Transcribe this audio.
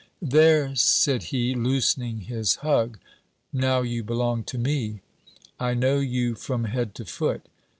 'There,' said he, loosening his hug, 'now you belong to me! I know you from head to foot.